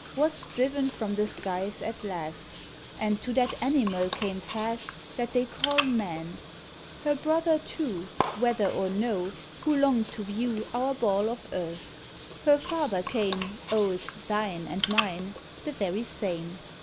Was driven from the skies at last, And to that animal came fast That they call Man; her brother, too, "Whether or no," who long'd to view Our ball of earth. Her father came Old "Thine and Mine" the very same.